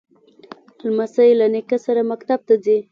لمسی له نیکه سره مکتب ته ځي.